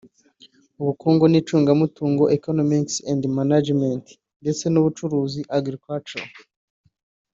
Ubukungu n’icungamutungo (Economics and Management) ndetse n’Ubuhinzi (Agriculture)